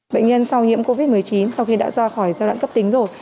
bệnh nhân sau nhiễm covid một mươi chín sau khi đã ra khỏi giai đoạn cấp tính rồi